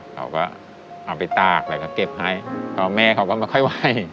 เขาก็เอาไปตากแล้วก็เก็บให้พ่อแม่เขาก็ไม่ค่อยไหว